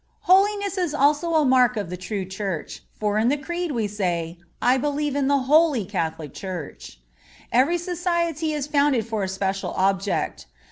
Holiness is also a mark of the true Church; for in the Creed we say, "I believe in the holy Catholic Church." Every society is founded for a special object.